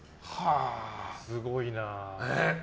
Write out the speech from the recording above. すごいな。